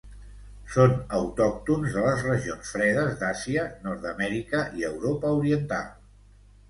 Són autòctons de les regions fredes d'Àsia, Nord-amèrica i Europa Oriental.